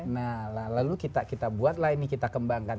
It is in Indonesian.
nah lalu kita buat lah ini kita kembangkan